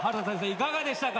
いかがでしたか？